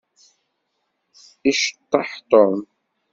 Iceṭṭeḥ Tom.